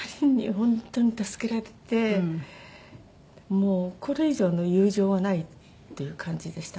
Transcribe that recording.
もうこれ以上の友情はないっていう感じでした。